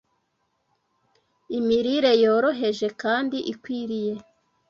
Imirire Yoroheje, kandi Ikwiriye